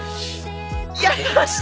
やりました！